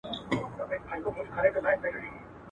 زه هم اسېوان، ته هم اسېوان، ته ماته وائې غزل ووايه.